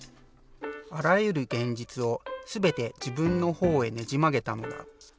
あらゆる現実をすべて自分の方へねじ曲げたのだ。